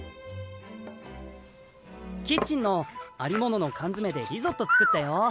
キッチンのありものの缶詰でリゾット作ったよ。